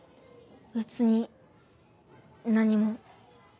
別に何も。